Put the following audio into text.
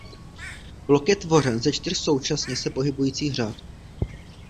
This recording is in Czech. Blok je tvořen ze čtyř současně se pohybujících řad.